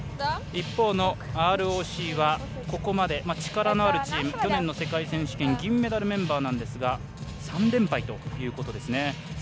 一方のＲＯＣは、ここまで力のあるチーム去年の世界選手権銀メダルメンバーなんですが３連敗ということですね。